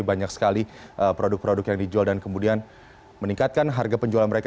banyak sekali produk produk yang dijual dan kemudian meningkatkan harga penjualan mereka